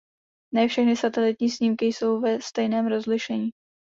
Ne všechny satelitní snímky jsou ve stejném rozlišení.